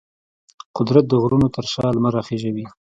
قدرت د غرونو تر شا لمر راخیژوي.